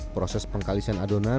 proses pengkalisan adonan